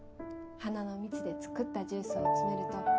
花の蜜で作ったジュースを詰めると